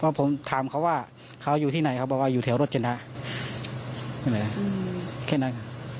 ว่าผมถามเค้าว่าเค้าอยู่ที่ไหนเค้าบอกว่าอยู่แถวรถเจนฮะเค้านั้น